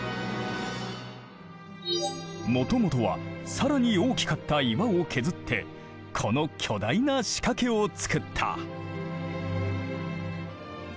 もともとは更に大きかった岩を削ってこの巨大な仕掛けをつくった。